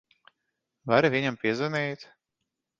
Vari viņam piezvanīt?